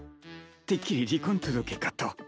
てっきり離婚届かと。